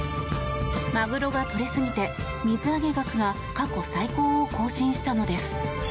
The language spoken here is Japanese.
マグロが取れすぎて水揚げ額が過去最高を更新したのです。